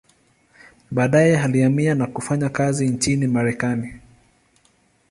Baadaye alihamia na kufanya kazi nchini Marekani.